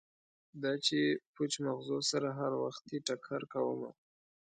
دا چې پوچ مغزو سره هروختې ټکر کومه